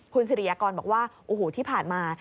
คุณศิริยากรบอกว่าที่ผ่านมา